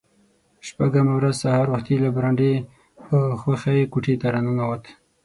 شپږمه ورځ سهار وختي له برنډې په خوښۍ کوټې ته را ننوت.